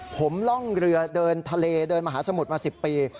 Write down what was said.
ผมล่องเรือเดินทะเลเดินมหาสมุทรมา๑๐ปี